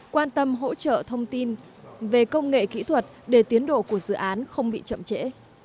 quan tâm hỗ trợ thông tin về công nghệ kỹ thuật để tiến độ của dự án không bị chậm trễ